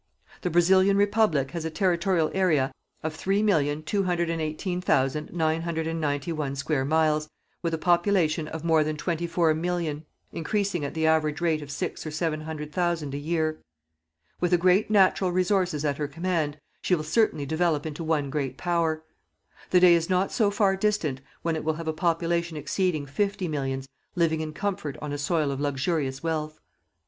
The Brazilian Republic has a territorial area of 3,218,991 square miles, with a population of more than 24,000,000 increasing at the average rate of six or seven hundred thousand a year. With the great natural resources at her command, she will certainly develop into one great Power. The day is not so far distant when it will have a population exceeding fifty millions living in comfort on a soil of luxurious wealth.